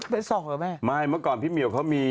ได้สอกหรอแม่เมื่อก่อนพี่เหมียวเค้ามี